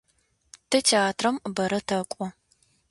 Тэ театрэм бэрэ тэкӏо.